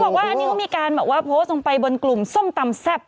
เขาบอกว่าอันนี้ก็มีการโพสต์ลงไปบนกลุ่มส้มตำแซ่บ